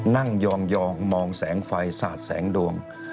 นั่งยองมองแสงไฟสาดแสงดวง